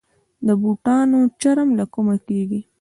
د بوټانو چرم له کومه کیږي؟